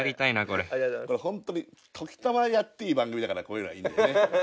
これホントに時たまやっていい番組だからこういうのはいいんだよね。